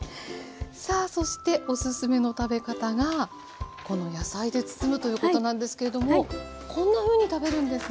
さあそしてオススメの食べ方がこの野菜で包むということなんですけれどもこんなふうに食べるんですね。